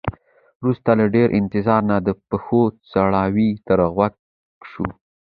وروسته له ډیر انتظار نه د پښو څپړاوی تر غوږ شو.